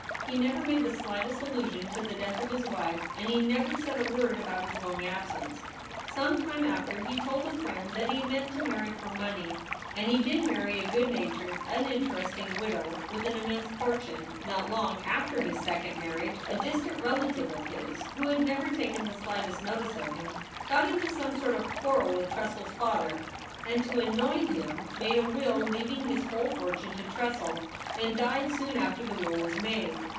He never made the slightest allusion to the death of his wife, and he never said a word about his long absence. Some time after he told a friend that he meant to marry for money, and he did marry a good natured, uninteresting widow with an immense fortune. Not long after this second marriage a distant relative of his, who had never taken the slightest notice of him, got into some sort of quarrel with Tressel's father, and, to annoy him, made a will leaving his whole fortune to Tressel, and died soon after the will was made.